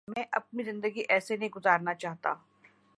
میں اپنی زندگی ایسے نہیں گزارنا چاہتا۔